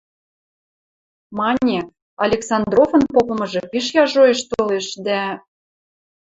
Мане, Алексавдровын попымыжы пиш яжоэш толеш, дӓ...